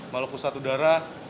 maluku satu darah